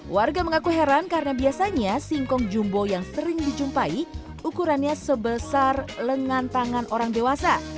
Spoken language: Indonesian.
warga mengaku heran karena biasanya singkong jumbo yang sering dijumpai ukurannya sebesar lengan tangan orang dewasa